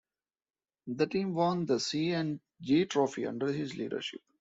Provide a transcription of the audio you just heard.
The team won the C and G Trophy under his leadership.